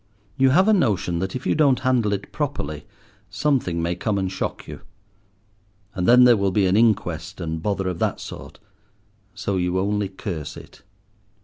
You have a notion that if you don't handle it properly something may come and shock you, and then there will be an inquest, and bother of that sort, so you only curse it.